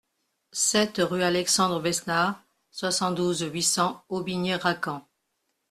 sept rue Alexandre Besnard, soixante-douze, huit cents, Aubigné-Racan